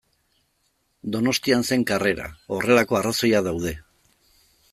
Donostian zen karrera, horrelako arrazoiak daude.